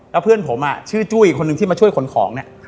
แล้วเพื่อนผมชื่อจุ้ยคนหนึ่งที่มาช่วยขนของเนี่ย